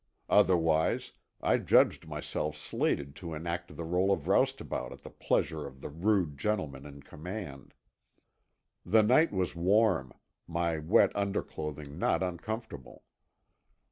Otherwise, I judged myself slated to enact the role of roustabout at the pleasure of the rude gentleman in command. The night was warm; my wet underclothing not uncomfortable.